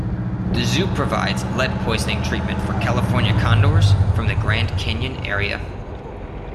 The zoo provides lead poisoning treatment for California condors from the Grand Canyon area.